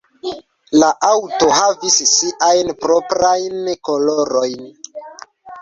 La aŭto havis siajn proprajn kolorojn.